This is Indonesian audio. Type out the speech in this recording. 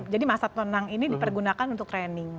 jadi masa tonang ini dipergunakan untuk training